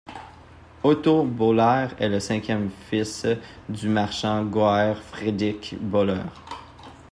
Otto Boehler est le cinquième fils du marchand Georg Friedrich Böhler.